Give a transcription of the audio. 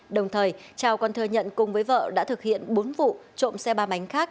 đồng thời trào còn thừa nhận cùng với vợ đã thực hiện bốn vụ trộm xe ba bánh khác